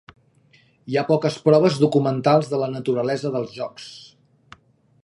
Hi ha poques proves documentals de la naturalesa dels jocs.